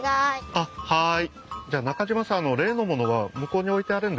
あっはい。